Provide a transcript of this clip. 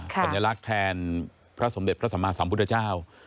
สัญลักษณ์แทนพระสมเด็จพระสัมมาสัมพุทธเจ้า